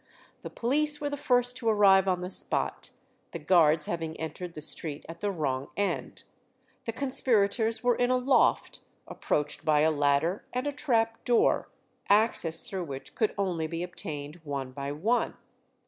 The police were the first to arrive on the spot, the Guards having entered the street at the wrong end. The conspirators were in a loft, approached by a ladder and a trap door, access through which could only be obtained one by one.